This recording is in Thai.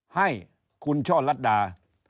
ให้คุณช่อลัดดา